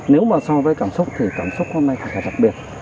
nếu mà so với cảm xúc thì cảm xúc hôm nay thật là đặc biệt